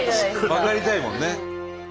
分かりたいもんね。